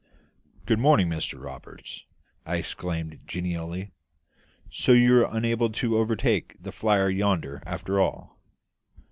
"Good morning, Mr Roberts," I exclaimed genially. "So you were unable to overtake the flyer yonder, after all."